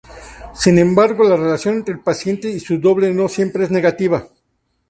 Sin embargo, la relación entre el paciente y su doble no siempre es negativa.